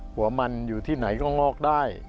หัวมันอยู่ที่ไหนก็งอกได้